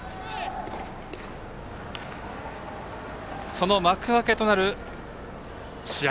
その幕開けとなる試合